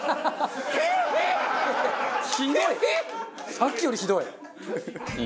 さっきよりひどい。